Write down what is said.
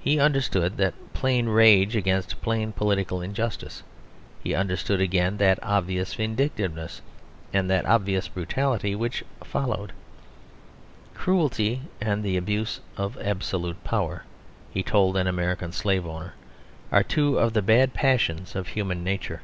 He understood that plain rage against plain political injustice; he understood again that obvious vindictiveness and that obvious brutality which followed. "Cruelty and the abuse of absolute power," he told an American slave owner, "are two of the bad passions of human nature."